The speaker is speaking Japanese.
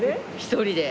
１人で？